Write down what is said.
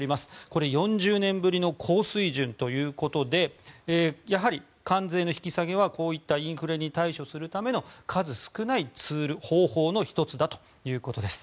これ、４０年ぶりの高水準ということでやはり関税の引き下げはこういったインフレに対処するための数少ないツール、方法の１つだということです。